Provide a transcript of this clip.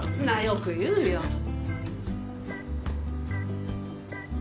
なっよく言うよ。